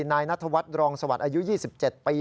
นายนัทวัฒน์รองสวัสดิ์อายุ๒๗ปี